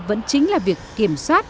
vẫn chính là việc kiểm soát